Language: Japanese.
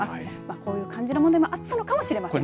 こういう漢字の問題もあったのかもしれませんね。